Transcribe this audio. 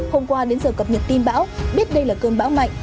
hôm qua đến giờ cập nhật tin bão biết đây là cơn bão mạnh